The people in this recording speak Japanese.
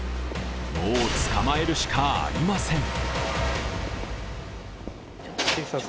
もう、捕まえるしかありません。